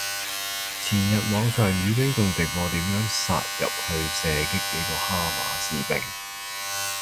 前日網上以兵仲直播點樣殺入去射擊幾個哈馬斯兵。